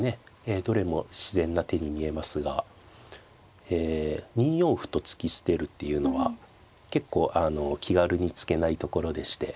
どれも自然な手に見えますが２四歩と突き捨てるっていうのは結構気軽に突けないところでして。